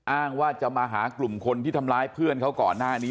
อ้างว่าจะมาหากลุ่มคนที่ทำร้ายเพื่อนเขาก่อนหน้านี้